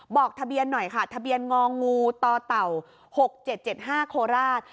บอกทะเบียนหน่อยค่ะทะเบียนงองูต่อเต่า๖๗๗๕โคราช